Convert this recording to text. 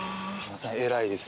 偉いです。